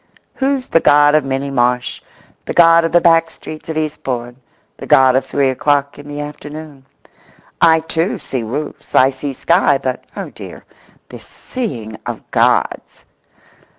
Who's the God of Minnie Marsh, the God of the back streets of Eastbourne, the God of three o'clock in the afternoon? I, too, see roofs, I see sky; but, oh, dear—this seeing of Gods!